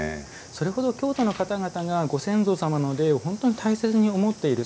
それこそ京都の方がご先祖様の霊を本当に大切に思っている。